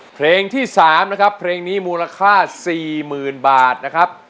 เพลงที่๓นะครับเพลงนี้มูลค่า๔๐๐๐บาทนะครับ